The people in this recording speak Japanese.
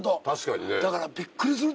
確かにね。